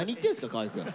河合くん。